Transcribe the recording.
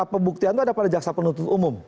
pembuktian itu ada pada jaksa penuntut umum